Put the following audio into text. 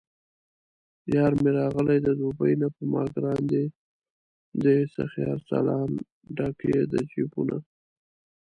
یارمې راغلی د دوبۍ نه په ماګران دی سخي ارسلان، ډک یې د جېبونه